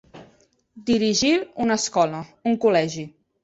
Dirigir una escola, un col·legi.